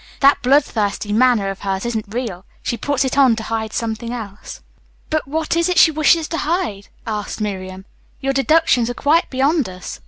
That blood thirsty manner of hers isn't real. She puts it on to hide something else." "But what is it she wishes to hide?" asked Miriam. "Your deductions are quite beyond us."